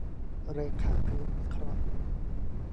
เรขาคณิตวิเคราะห์